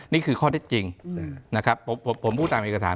นี่คือข้อเท็จจริงนะครับผมพูดตามเอกสาร